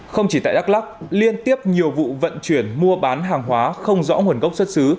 không chỉ tại đắk lắc liên tiếp nhiều vụ vận chuyển mua bán hàng hóa không rõ nguồn gốc xuất xứ